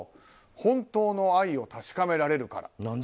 本当の愛を確かめられるから。